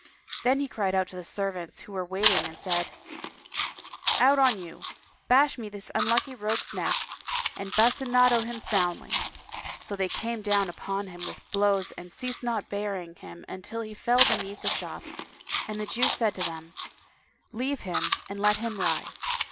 Then he cried out to the servants who were in waiting and said, "Out on you! Bash me this unlucky rogue's neck and bastinado him soundly!" So they came down upon him with blows and ceased not beating him till he fell beneath the shop, and the Jew said to them, "Leave him and let him rise."